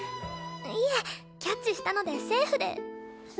いえキャッチしたのでセーフです。